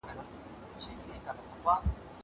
زه کولای سم خواړه ورکړم!